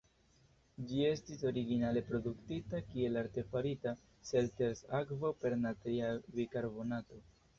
Ĝi estis originale produktita kiel artefarita Selters-akvo per natria bikarbonato.